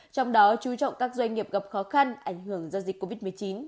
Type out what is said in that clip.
trong đó chú trọng các doanh nghiệp gặp khó khăn ảnh hưởng do dịch covid một mươi chín